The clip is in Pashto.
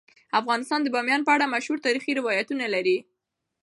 افغانستان د بامیان په اړه مشهور تاریخی روایتونه لري.